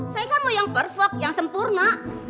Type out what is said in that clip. saya kan mau yang perfect yang sempurna